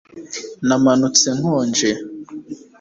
Namanutse nkonje